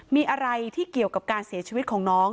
มีอะไรที่เกี่ยวกับการเสียชีวิตของน้อง